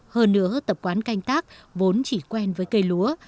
hơn nữa tập quán canh tác vốn chỉ quen với cây lúa